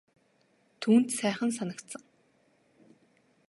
Түүнд сайхан санагдсан.